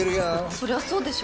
そりゃそうですよ！